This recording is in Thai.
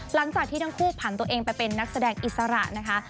หลังจากที่ทั้งคู่ผ่านตัวเองไปเป็นนักแสดงอิสระนะคะ